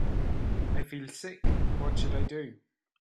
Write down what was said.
I feel sick, what should I do?